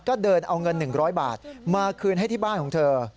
ก็เดินเอาเงิน๑๐๐บาทมาคืนให้ที่บ้านของเธอ